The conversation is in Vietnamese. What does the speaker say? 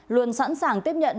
luôn sẵn sàng tiếp nhận